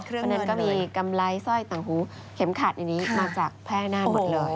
เพราะฉะนั้นก็มีกำไรสร้อยต่างหูเข็มขัดอันนี้มาจากแพร่นานหมดเลย